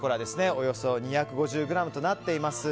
およそ２５０ｇとなっています。